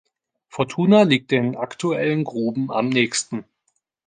Fortuna liegt den aktuellen Gruben am nächsten.